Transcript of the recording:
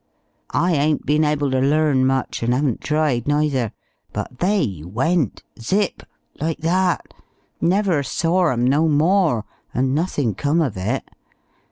I ain't been able to learn much, and haven't tried neither. But they went zip! like that! Never saw 'em no more, and nothin' come of it....